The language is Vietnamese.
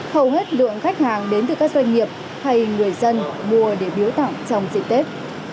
hầu hết lượng khách hàng đến từ các doanh nghiệp hay người dân mua để biếu tặng trong dịp tết